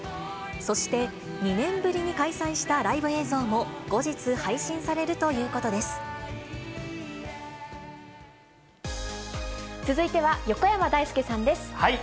そして、２年ぶりに開催したライブ映像も、後日配信されるという続いては、横山だいすけさん